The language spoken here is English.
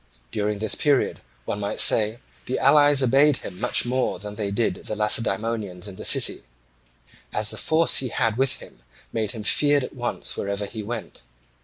During this period, one might say, the allies obeyed him much more than they did the Lacedaemonians in the city, as the force he had with him made him feared at once wherever he went.